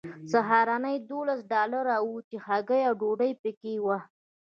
سهارنۍ دولس ډالره وه چې هګۍ او ډوډۍ پکې وه